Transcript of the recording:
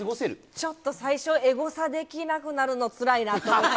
ちょっと最初はエゴサできなくなるのつらいなって。